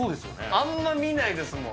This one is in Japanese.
あんま見ないですもん。